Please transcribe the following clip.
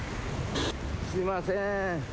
すいません。